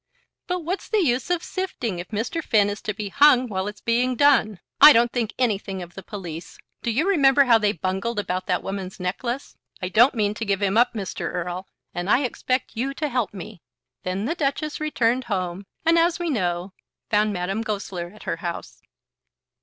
"But what's the use of sifting if Mr. Finn is to be hung while it's being done? I don't think anything of the police. Do you remember how they bungled about that woman's necklace? I don't mean to give him up, Mr. Erle; and I expect you to help me." Then the Duchess returned home, and, as we know, found Madame Goesler at her house.